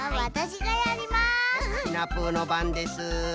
シナプーのばんです。